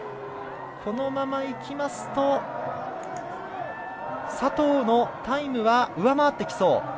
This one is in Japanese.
このままいきますと佐藤のタイムは上回ってきそう。